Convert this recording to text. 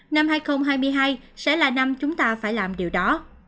năm hai nghìn hai mươi hai sẽ là năm chúng ta phải làm điều đó